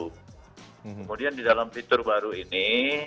kemudian di dalam fitur baru ini